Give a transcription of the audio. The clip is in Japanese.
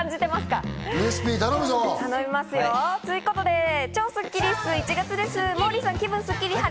ウエスＰ、頼むぞ！ということで、超スッキりすは１月です、モーリーさん。